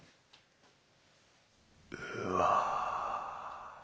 うわ。